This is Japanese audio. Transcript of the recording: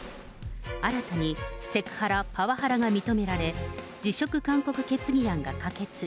新たにセクハラ、パワハラが認められ、辞職勧告決議案が可決。